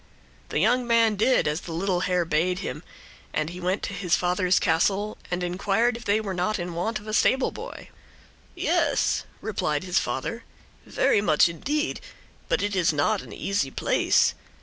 The young man did as the little hare bade him, and he went to his father's castle and inquired if they were not in want of a stableboy. "Yes," replied his father, "very much indeed. But it is not an easy place.